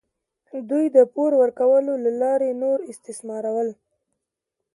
دوی د پور ورکولو له لارې نور استثمارول.